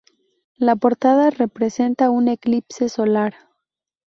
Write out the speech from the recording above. La portada representa un eclipse solar.